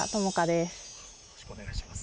よろしくお願いします。